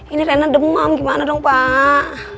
ini rena demam gimana dong pak